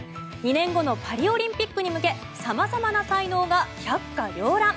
２年後のパリオリンピックに向け様々な才能が百花繚乱。